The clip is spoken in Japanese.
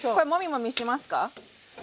もみもみしますか？